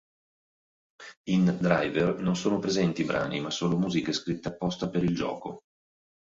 In "Driver" non sono presenti brani, ma solo musiche scritte apposta per il gioco.